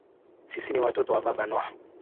Sisi ni watoto wa Baba Noah